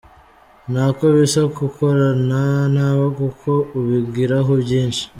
Ntako bisa gukorana nabo kuko ubigiraho byinshi".